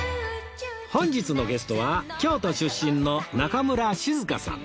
本日のゲストは京都出身の中村静香さん